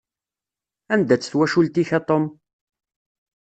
Anda-tt twacult-ik a Tom?